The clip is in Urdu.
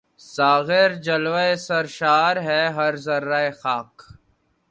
ساغر جلوۂ سرشار ہے ہر ذرۂ خاک